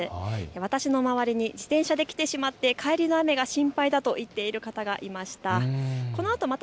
私の周りに自転車で来てしまって帰りの雨が心配だと言っている方がいました。